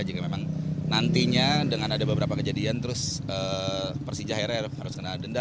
jika memang nantinya dengan ada beberapa kejadian terus persija akhirnya harus kena denda